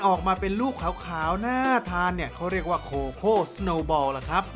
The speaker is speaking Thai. ออกมาเป็นลูกขาวน่าทานเนี่ยเขาเรียกว่าโคโคสโนบอลล่ะครับ